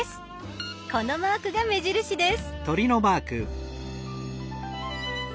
このマークが目印です。